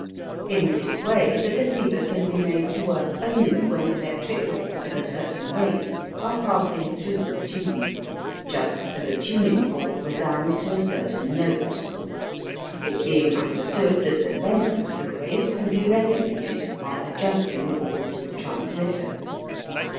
In this way the receiver can be made to work only when electric waves of a certain rate are passing through the tube, just as a tuning fork resounds to a certain note; it being understood that the length of the waves can be regulated by adjusting the balls of the transmitter.